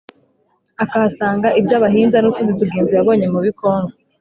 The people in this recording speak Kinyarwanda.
akahasanga iby’abahinza n’utundi tugenzo yabonye mu b’ikongo,